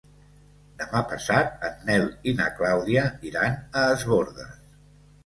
Demà passat en Nel i na Clàudia iran a Es Bòrdes.